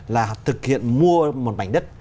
là thực hiện mua một mảnh đất